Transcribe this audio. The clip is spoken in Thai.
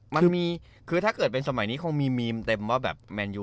พอเกิดเป็นสมัยนี้มีมีมเต็ม